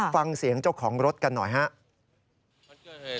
ฟังเสียงเจ้าของรถกันหน่อยครับ